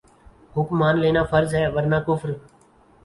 حکم مان لینا فرض ہے ورنہ کفر